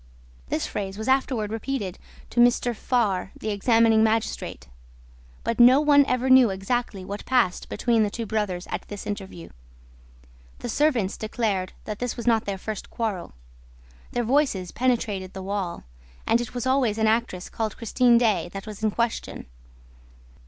This phrase was afterward repeated to M. Faure, the examining magistrate. But no one ever knew exactly what passed between the two brothers at this interview. The servants declared that this was not their first quarrel. Their voices penetrated the wall; and it was always an actress called Christine Daae that was in question.